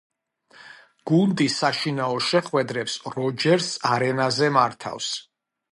გუნდი საშინაო შეხვედრებს როჯერს არენაზე მართავს.